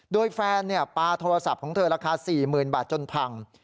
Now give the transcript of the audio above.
โดยแฟนปลาโทรศัพท์ของเธอราคา๔๐๐๐บาทจนพัง